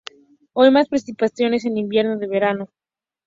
Hay más precipitaciones en invierno que en verano.